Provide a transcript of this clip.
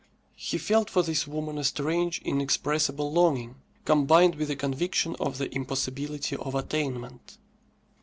He felt for this woman a strange, inexpressible longing, combined with a conviction of the impossibility of attainment.